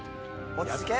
落ち着け。